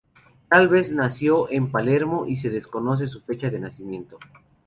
Tal vez nació en Palermo y se desconoce su fecha de nacimiento.